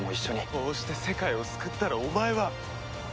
そうして世界を救ったらお前は！